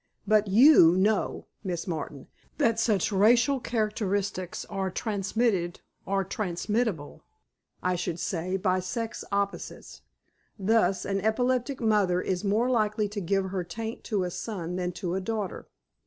But you know, Miss Martin, that such racial characteristics are transmitted, or transmissible, I should say, by sex opposites. Thus, an epileptic mother is more likely to give her taint to a son than to a daughter....